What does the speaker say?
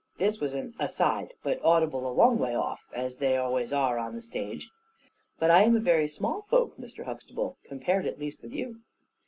This was an "aside," but audible a long way off, as they always are on the stage. "But I am a very small folk, Mr. Huxtable, compared at least with you."